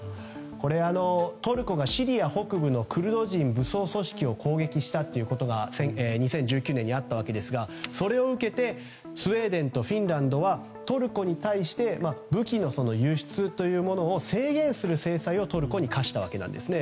これは、トルコがシリア北部のクルド人武装組織を攻撃したということが２０１９年にありましたがそれを受けてスウェーデンとフィンランドはトルコに対して武器の輸出というものを制限する制裁をトルコに科したんですね。